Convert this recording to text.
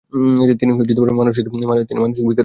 তিনি মানসিক বিকারগ্রস্ত হয়ে পড়েন।